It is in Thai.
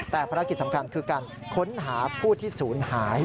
แต่ภารกิจสำคัญคือการค้นหาผู้ที่ศูนย์หาย